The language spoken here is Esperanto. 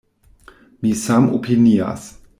Mi samopinias.